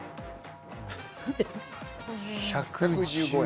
１１５円。